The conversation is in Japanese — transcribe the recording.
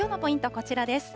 こちらです。